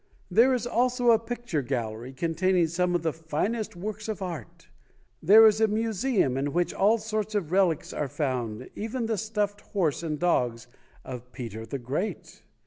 There is also a picture gallery containing some of the finest works of art. There is a museum in which all sorts of relics are found even the stuffed horse and dogs of Peter the Great.